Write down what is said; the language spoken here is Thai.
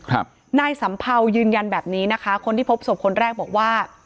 นายสัมเภายืนยันแบบนี้นะคะคนที่พบศพคนแรกบอกว่า